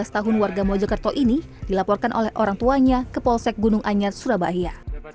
tujuh belas tahun warga mojokerto ini dilaporkan oleh orang tuanya ke polsek gunung anyar surabaya